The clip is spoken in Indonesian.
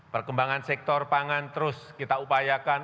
perkembangan sektor pangan terus kita upayakan